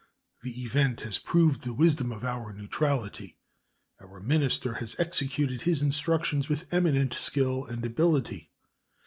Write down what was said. The event has proved the wisdom of our neutrality. Our minister has executed his instructions with eminent skill and ability.